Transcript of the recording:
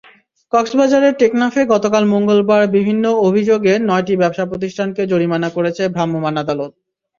কক্সবাজারের টেকনাফে গতকাল মঙ্গলবার বিভিন্ন অভিযোগে নয়টি ব্যবসাপ্রতিষ্ঠানকে জরিমানা করেছেন ভ্রাম্যমাণ আদালত।